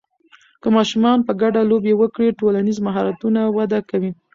که ماشومان په ګډه لوبې وکړي، ټولنیز مهارتونه وده کوي.